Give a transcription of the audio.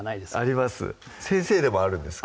あります先生でもあるんですか？